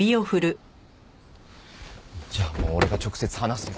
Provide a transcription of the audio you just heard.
じゃあもう俺が直接話すよ。